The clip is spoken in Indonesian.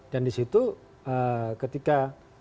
dan di situ ketika